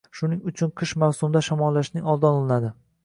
Shuning uchun qish mavsumida shamollashning oldini oladi.